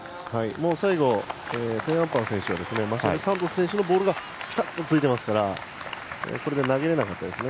最後セーンアンパー選手はマシエル・サントス選手のボールがぴたっとついていますからこれで投げれなかったですね。